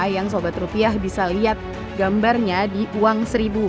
yang sobat rupiah bisa lihat gambarnya di uang seribu